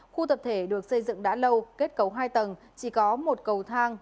khu tập thể được xây dựng đã lâu kết cấu hai tầng chỉ có một cầu thang